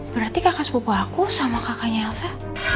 berarti kakak sepupu aku sama kakaknya elsa